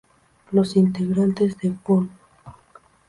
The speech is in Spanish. Los integrantes de Fun.